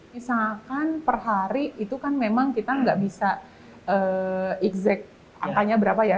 misalkan per hari itu kan memang kita nggak bisa exact angkanya berapa ya